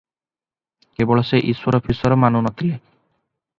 କେବଳ ସେ ଈଶ୍ୱର ଫିଶ୍ୱର ମାନୁ ନ ଥିଲେ ।